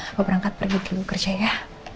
aku berangkat pergi dulu kerja ya